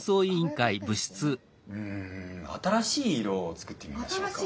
うん新しい色を作ってみましょうか。